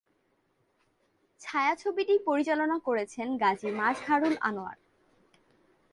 ছায়াছবিটি পরিচালনা করেছেন গাজী মাজহারুল আনোয়ার।